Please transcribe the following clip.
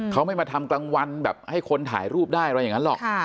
เขาไม่มาทำกลางวันแบบให้คนถ่ายรูปได้อะไรอย่างนั้นหรอก